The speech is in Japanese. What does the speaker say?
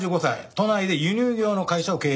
都内で輸入業の会社を経営しています。